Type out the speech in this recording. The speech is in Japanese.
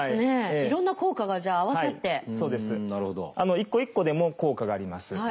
一個一個でも効果があります。